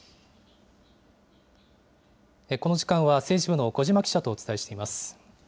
この時間は、政治部の小嶋記者とお伝えしています。